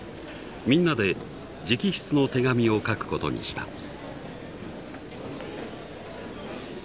みんなで直筆の手紙を書くことにした。